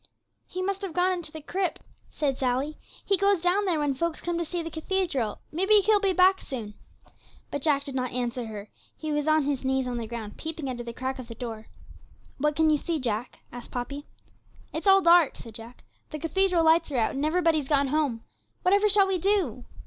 'He must have gone into the crypt,' said Sally; 'he goes down there when folks come to see the cathedral; maybe he'll be back soon.' But Jack did not answer her; he was on his knees on the ground, peeping under the crack of the door. 'What can you see, Jack?' asked Poppy. 'It's all dark,' said Jack; 'the cathedral lights are out, and everybody's gone home; whatever shall we do?'